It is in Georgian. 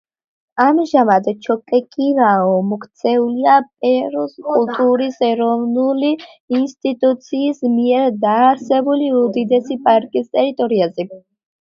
ამჟამად, ჩოკეკირაო მოქცეულია პერუს კულტურის ეროვნული ინსტიტუტის მიერ დაარსებული უდიდესი პარკის ტერიტორიაზე.